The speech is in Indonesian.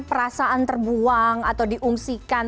perasaan terbuang atau diungsikan